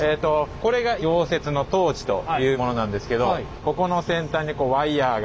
これが溶接のトーチというものなんですけどここの先端にこうワイヤーが。